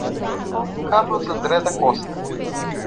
Carlos André da Costa